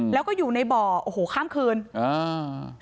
แล้วก็อยู่ในบ่อโอ้โหข้ามคืนอ่า